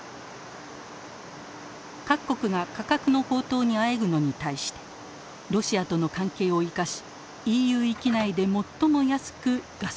各国が価格の高騰にあえぐのに対してロシアとの関係を生かしＥＵ域内で最も安くガソリンを販売。